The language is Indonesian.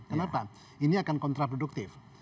kenapa ini akan kontraproduktif